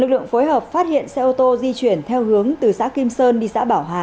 lực lượng phối hợp phát hiện xe ô tô di chuyển theo hướng từ xã kim sơn đi xã bảo hà